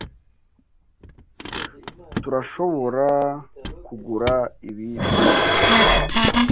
Tturashoborakugura ibi byose?